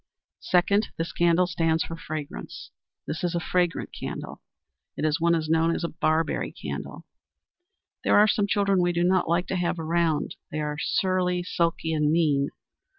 Second, this candle stands for Fragrance. This is a fragrant candle. It is what is known as a "barberry" candle. There are some children we do not like to have around, they are surly, sulky and mean.